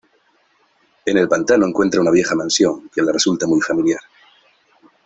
En el pantano encuentra una vieja mansión, que le resulta muy familiar.